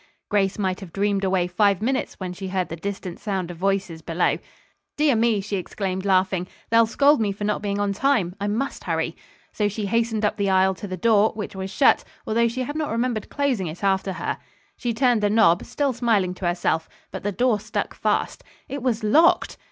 Grace might have dreamed away five minutes when she heard the distant sound of voices below. "Dear me," she exclaimed, laughing, "they'll scold me for not being on time. I must hurry." So she hastened up the aisle to the door, which was shut, although she had not remembered closing it after her. She turned the knob, still smiling to herself, but the door stuck fast. It was locked!